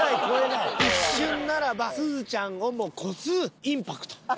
一瞬ならばすずちゃんをも超すインパクト。